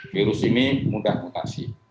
virus ini mudah mutasi